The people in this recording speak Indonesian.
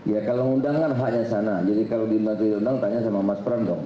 ya kalau undang kan hanya sana jadi kalau dimatikan undang tanya sama mas pram dong